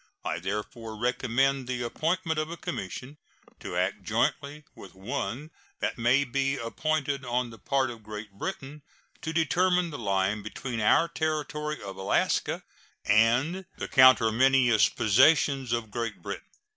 I therefore recommend the appointment of a commission, to act jointly with one that may be appointed on the part of Great Britain, to determine the line between our Territory of Alaska and the conterminous possessions of Great Britain.